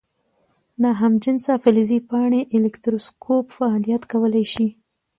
ناهمجنسه فلزي پاڼې الکتروسکوپ فعالیت کولی شي؟